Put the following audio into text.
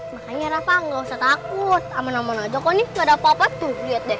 makanya rafa gak usah takut aman aman aja kok nih tuh ada apa apa tuh lihat deh